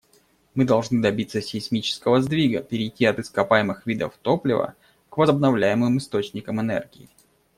Мы должны добиться сейсмического сдвига — перейти от ископаемых видов топлива к возобновляемым источникам энергии.